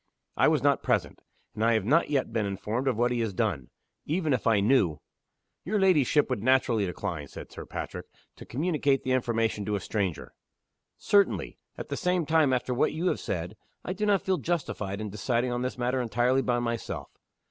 I was not present; and I have not yet been informed of what has been done. Even if I knew " "Your ladyship would naturally decline," said Sir Patrick, "to communicate the information to a stranger." "Certainly. At the same time, after what you have said, I do not feel justified in deciding on this matter entirely by myself.